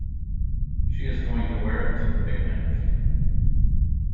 She is going to wear it to the picnic.